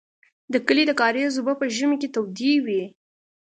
د کلي د کاریز اوبه په ژمي کې تودې وې.